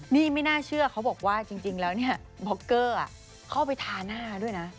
นี่ไม่น่าเชื่อเขาบอกว่าจริงแล้วเนี่ยบ็อกเกอร์เข้าไปทาหน้าด้วยนะ